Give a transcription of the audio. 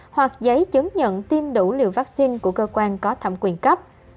hoặc giấy chứng nhận tiêm đủ liều vaccine của cơ quan có thẩm quyền cấp